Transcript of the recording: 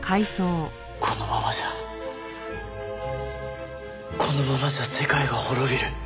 このままじゃこのままじゃ世界が滅びる。